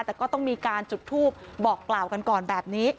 แต่ก็ต้องมีการจุดทูปบอกกล่าวกันก่อนแบบนี้